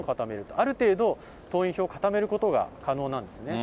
ある程度、党員票を固めることが可能なんですね。